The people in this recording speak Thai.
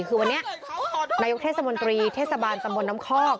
คือวันนี้นายกเทศมนตรีเทศบาลตำบลน้ำคอก